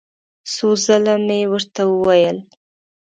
څو ځل مې ورته وویل.